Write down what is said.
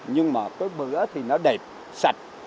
nhưng mà cái bữa thì nó đẹp sạch